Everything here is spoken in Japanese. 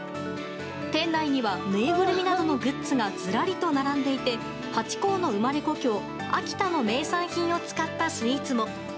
店内にはぬいぐるみなどのグッズがずらりと並んでいてハチ公の生まれ故郷・秋田の名産品を使ったスイーツも。